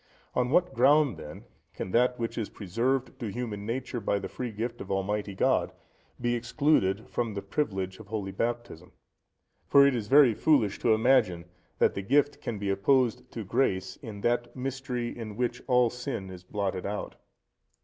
On what ground, then, can that which is preserved to human nature by the free gift of Almighty God, be excluded from the privilege of Holy Baptism? For it is very foolish to imagine that the gift can be opposed to grace in that Mystery in which all sin is blotted out.